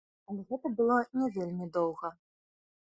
Але гэта было не вельмі доўга.